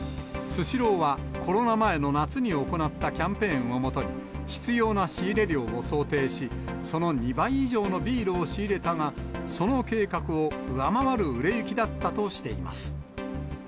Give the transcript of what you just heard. スシローは、コロナ前の夏に行ったキャンペーンをもとに、必要な仕入れ量を想定し、その２倍以上のビールを仕入れたが、その計画を上回る売れ行きだったとしています。